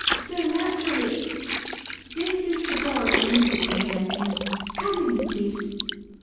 So, naturally This is the door of the music room, gentlemen. Come in, please."